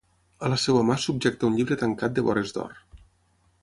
A la seva mà subjecta un llibre tancat de vores d'or.